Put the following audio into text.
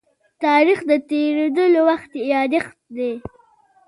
تاریخ د تېرېدلو وخت يادښت دی.